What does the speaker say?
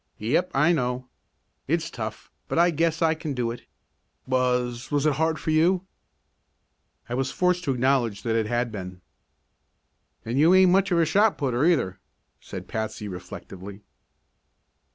"Yep, I know. It's tough, but I guess I can do it. Was was it hard for you?" I was forced to acknowledge that it had been. "An' you ain't much of a shot putter, either," said Patsy reflectively.